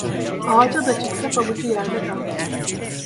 Ağaca da çıksa pabucu yerde kalmaz.